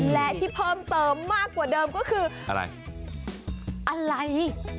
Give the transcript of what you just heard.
และที่เพิ่มเติมมากกว่าเดิมก็คืออะไรอะไร